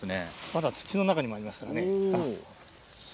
まだ土の中にもあります。